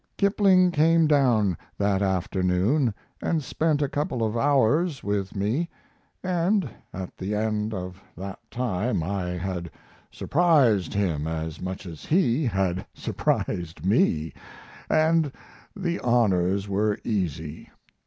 Kipling came down that afternoon and spent a couple of hours with me, and at the end of that time I had surprised him as much as he had surprised me and the honors were easy.